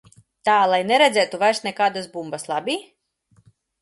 Tā lai neredzētu vairs nekādas bumbas, labi?